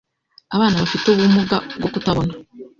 abana bafite ubumuga bwo kutabona